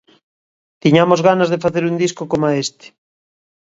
Tiñamos ganas de facer un disco coma este.